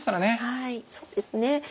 はいそうですね。